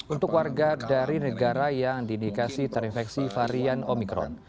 untuk warga dari negara yang diindikasi terinfeksi varian omikron